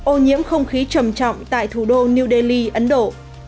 ô nhiễm không khí trầm trọng tại thủ đô new delhi ấn độ